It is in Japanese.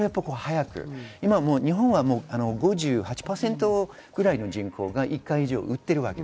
今、日本は５８％ぐらいの人口が１回以上打っています。